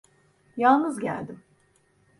Yalnız geldim.